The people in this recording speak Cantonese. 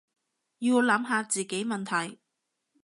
要諗下自己問題